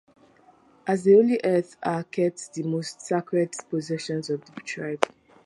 At the holy hearth are kept the most sacred possessions of the tribe.